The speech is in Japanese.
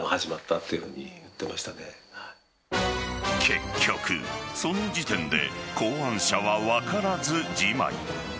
結局、その時点で考案者は分からずじまい。